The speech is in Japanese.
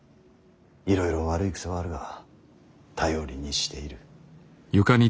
いろいろ悪い癖はあるが頼りにしている。